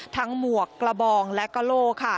ทั้งหมวกกระบองและกระโล